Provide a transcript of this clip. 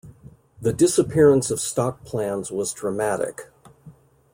The disappearance of stock plans was dramatic.